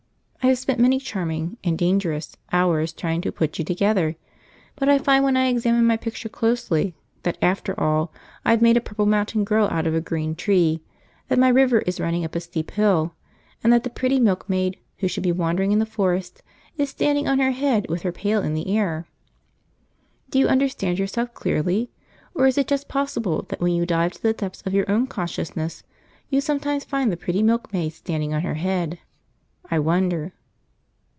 "I have spent many charming (and dangerous) hours trying to 'put you together'; but I find, when I examine my picture closely, that after all I've made a purple mountain grow out of a green tree; that my river is running up a steep hillside; and that the pretty milkmaid, who should be wandering in the forest, is standing on her head with her pail in the air "Do you understand yourself clearly? Or is it just possible that when you dive to the depths of your own consciousness, you sometimes find the pretty milkmaid standing on her head? I wonder!"